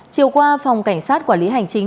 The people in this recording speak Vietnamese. chiều qua phòng cảnh sát quản lý hành trình